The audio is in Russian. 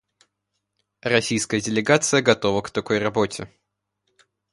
Российская делегация готова к такой работе.